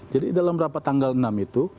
jadi dalam rapat tanggal enam itu